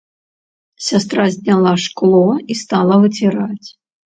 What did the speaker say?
Сястра зняла шкло і стала выціраць.